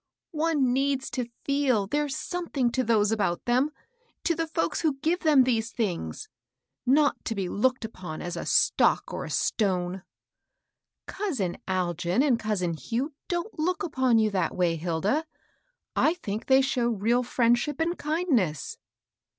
" One needs to feel they're something to those about them, — to the folks who give them these things; not to be looked upon as a stoc^ or a stone." ^^ Cousin Algin and cousin Hugh don't look upon you that way, Hilda ; I think they show real friendship and kindness."